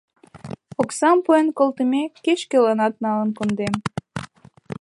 Оксам пуэн колтымек, кеч-кӧланат налын кондем.